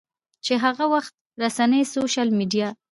چې هغه وخت رسنۍ، سوشل میډیا